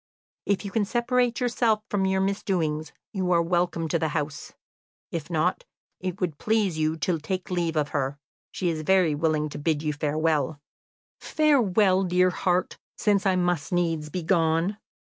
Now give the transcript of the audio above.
If you can separate yourself from your misdoings, you are welcome to the house; if not, if it would please you to take leave of her, she is very willing to bid you farewell." "Farewell, dear heart, since I must needs be gone!"